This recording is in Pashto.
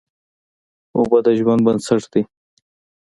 اوبه د ژوند بنسټ دي.